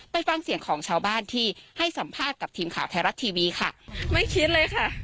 ไปฟังเสียงของชาวบ้านที่ให้สัมภาษณ์กับทีมข่าวไทยรัฐทีวีค่ะไม่คิดเลยค่ะ